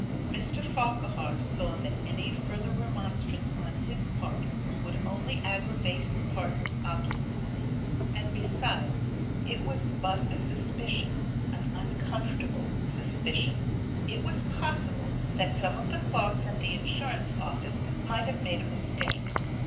Mr Farquhar saw that any further remonstrance on his part would only aggravate his partner's obstinacy; and, besides, it was but a suspicion an uncomfortable suspicion. It was possible that some of the clerks at the Insurance Office might have made a mistake.